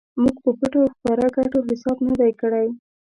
موږ په پټو او ښکاره ګټو حساب نه دی کړی.